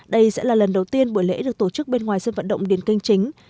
đây sẽ là lần đầu tiên buổi lễ được tổ chức bên ngoài sân vận động điền kinh chính